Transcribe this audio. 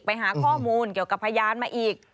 ไปหาข้อมูลเกี่ยวกับพยานมาอีก